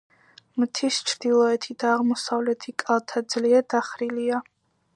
მთის ჩრდილოეთი და აღმოსავლეთი კალთა ძლიერ დახრილია.